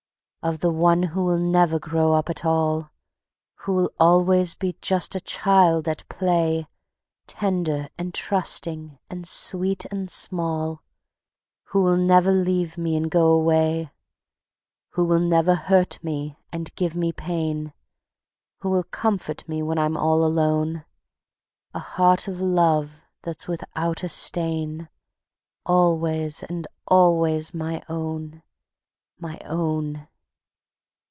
Of the One who will never grow up at all, Who will always be just a child at play, Tender and trusting and sweet and small, Who will never leave me and go away; Who will never hurt me and give me pain; Who will comfort me when I'm all alone; A heart of love that's without a stain, Always and always my own, my own.